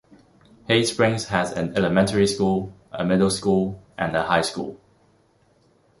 Hay Springs has an elementary school, a middle school, and a high school.